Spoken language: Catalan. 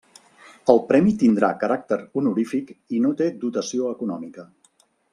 El premi tindrà caràcter honorífic i no té dotació econòmica.